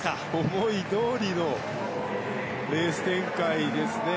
思いどおりのレース展開ですね。